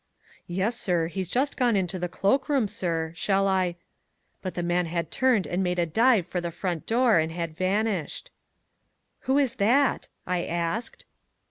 "Yes, sir, he's just gone into the cloak room, sir, shall I " But the man had turned and made a dive for the front door and had vanished. "Who is that?" I asked.